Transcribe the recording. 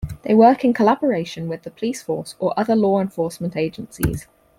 They work in collaboration with the police force or other law enforcement agencies.